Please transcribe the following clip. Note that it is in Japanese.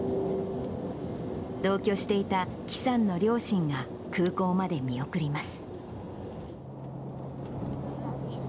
同居していた祁さんの両親が、空港まで見送ります。